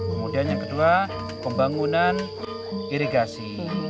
kemudian yang kedua pembangunan irigasi